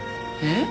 えっ？